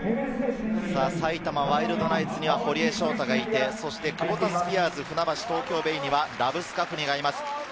埼玉ワイルドナイツには堀江翔太がいて、クボタスピアーズ船橋・東京ベイにはラブスカフニがいます。